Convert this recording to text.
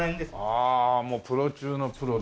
ああもうプロ中のプロだね。